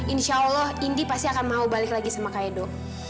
insya allah indi pasti akan mau balik lagi sama kaedo